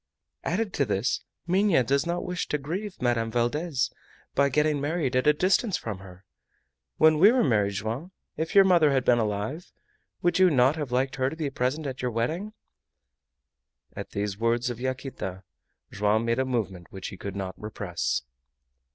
Added to this, Minha does not wish to grieve Madame Valdez by getting married at a distance from her. When we were married, Joam, if your mother had been alive, would you not have liked her to be present at your wedding?" At these words of Yaquita Joam made a movement which he could not repress.